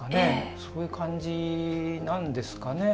そういう感じなんですかね。